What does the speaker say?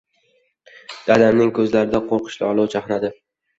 Dadamning ko‘zlarida qo‘rqinchli olov chaqnadi.